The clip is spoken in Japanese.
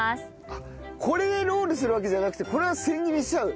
あっこれでロールするわけじゃなくてこれを千切りにしちゃう？